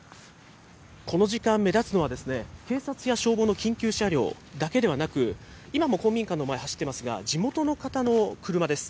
この時間、目立つのは、警察や消防の緊急車両だけではなく、今も公民館の前、走ってますが、地元の方の車です。